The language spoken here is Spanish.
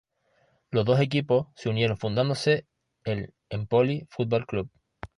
Los dos equipos se unieron fundándose el Empoli Football Club.